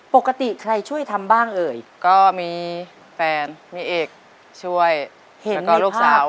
ปกติใครช่วยทำบ้างเอ่ยก็มีแฟนมีเอกช่วยแล้วก็ลูกสาว